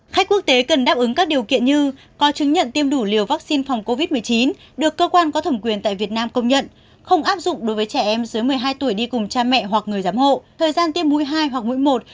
khách quốc tế cần đáp ứng các điều kiện như có chứng nhận tiêm đủ liều vaccine phòng covid một mươi chín được cơ quan có thẩm quyền tại việt nam công nhận không áp dụng đối với trẻ em dưới một mươi hai tuổi đi cùng cha mẹ hoặc người giám hộ